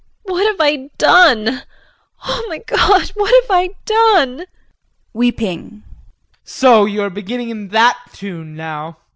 Oh, what have I done! Oh, my God, what have I done! [Weeping.] JEAN. So, you are beginning in that tune now.